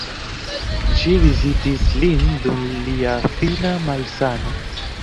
Ŝi vizitis lin dum lia fina malsano.